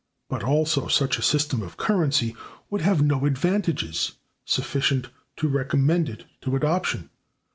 But, also, such a system of currency would have no advantages sufficient to recommend it to adoption.